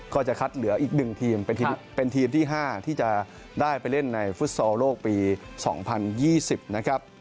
ก็จะคัดเหลืออีกหนึ่งทีมเป็นทีมเป็นทีมที่ห้าที่จะได้ไปเล่นในฟุตสอโลกปีสองพันยี่สิบนะครับ